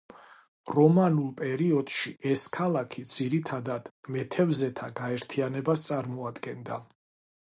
რომანულ პერიოდში, ეს ქალაქი ძირითადად მეთევზეთა გაერთიანებას წარმოადგენდა.